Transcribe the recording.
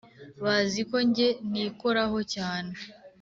baziko njye ntikoraho cyane